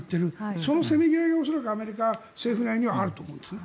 そのせめぎ合いが恐らくアメリカ政府内にはあると思います。